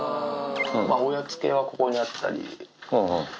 おやつ系はここにあったり。